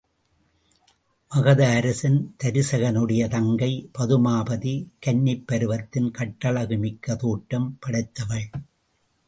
மகத அரசன் தருசகனுடைய தங்கை பதுமாபதி கன்னிப்பருவத்தின் கட்டழகு மிக்க தோற்றம் படைத்தவள்.